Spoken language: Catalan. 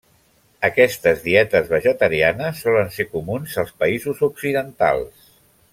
Aquestes dietes vegetarianes solen ser comuns als països occidentals.